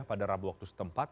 pada rabu waktu setempat